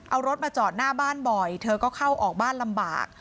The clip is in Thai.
เอารถมาจอดหน้าบ้านบ่อยเธอก็เข้าออกบ้านลำบาก